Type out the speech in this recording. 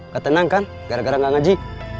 ketenang kan gara gara gak ngaji